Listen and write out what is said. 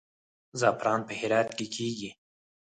زعفران په هرات کې کیږي